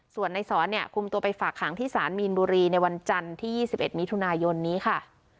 ส่วนในสอนเนี่ยคุมตัวไปฝากหางที่สารมีนบุรีในวันจันทร์ที่๒๑มิถุนายนนี้ค่ะ